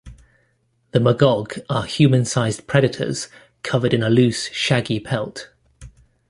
The Magog are human-sized predators covered in a loose, shaggy pelt.